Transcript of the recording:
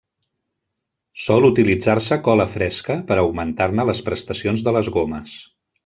Sol utilitzar-se cola fresca per a augmentar-ne les prestacions de les gomes.